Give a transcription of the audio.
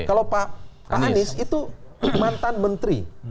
kalau pak anies itu mantan menteri